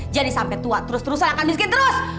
sampai tua terus terusan akan miskin terus